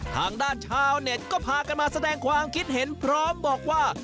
ทางด้านชาวเน็ตก็พากันมาแสดงความคิดเห็นพร้อมบอกว่า